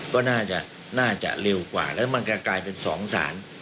ก็น่าจะเร็วกว่าแล้วมันก็กลายเป็น๒สาร